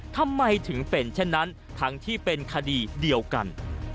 ทำไมถึงเป็นเช่นนั้นทั้งที่เป็นคดีเดียวกัน